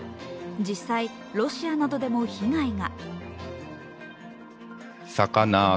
実際、ロシアなどでも被害が。